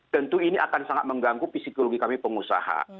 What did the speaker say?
tentu ini akan sangat mengganggu psikologi kami pengusaha